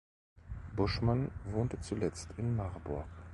Buschmann wohnte zuletzt in Marburg.